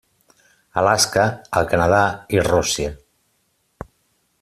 Alaska, el Canadà i Rússia.